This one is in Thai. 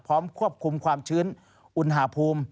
พร้อมควบคุมความชื้นอุณหภูมิ